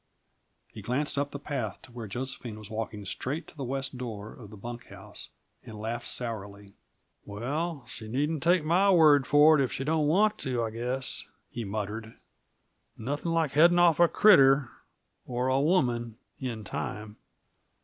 He glanced up the path to where Josephine was walking straight to the west door of the bunk house, and laughed sourly. "Well, she needn't take my word for it if she don't want to, I guess," he muttered. "Nothing like heading off a critter or a woman in time!"